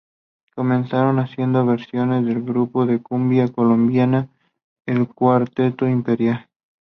Comenzaron haciendo versiones del grupo de cumbia colombiana el Cuarteto Imperial.